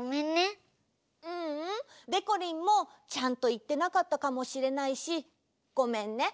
ううん。でこりんもちゃんといってなかったかもしれないしごめんね。